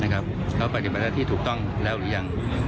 แล้วปฏิบัติที่ถูกต้องแล้วหรือยัง